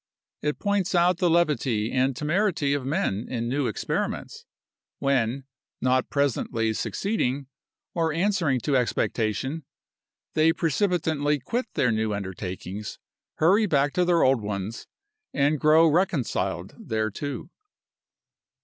It points out the levity and temerity of men in new experiments, when, not presently succeeding, or answering to expectation, they precipitantly quit their new undertakings, hurry back to their old ones, and grow reconciled thereto.